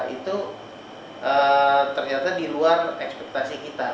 itu ternyata diluar ekspektasi kita